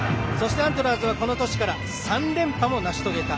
アントラーズはこの年から３連覇も成し遂げた。